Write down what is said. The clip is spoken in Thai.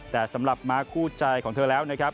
แต่สำหรับม้าคู่ใจของเธอแล้วนะครับ